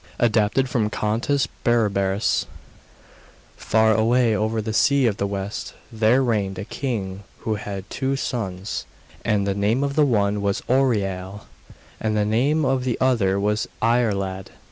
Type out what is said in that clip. [Adapted from Contes Berberes.] The Story of Manus Far away over the sea of the West there reigned a king who had two sons; and the name of the one was Oireal, and the name of the other was Iarlaid.